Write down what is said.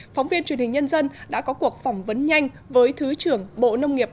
phóng viên truyền hình nhân dân đã có cuộc phỏng vấn nhanh với thứ trưởng bộ nông nghiệp